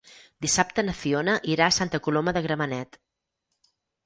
Dissabte na Fiona irà a Santa Coloma de Gramenet.